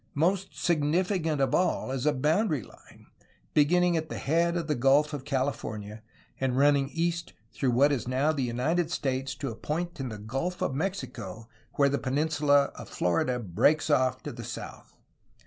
Most significant of all is a boundary line, beginning at the head of the Gulf of Cali fornia and running east through what is now the United States to a point in the Gulf of Mexico where the peninsula of Florida breaks off to the south.